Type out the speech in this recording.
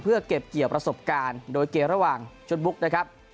เพื่อเก็บเกี่ยวประสบการณ์โดยเกมระหว่างชุดบุ๊กนะครับ